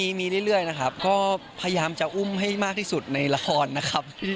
มีเรื่อยนะครับก็พยายามจะอุ้มให้มากที่สุดในละครนะครับ